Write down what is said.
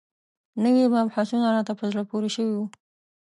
نوي مبحثونه راته په زړه پورې شوي وو.